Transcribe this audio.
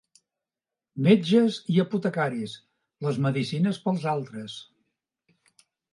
Metges i apotecaris, les medecines pels altres.